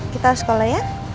kita sekolah ya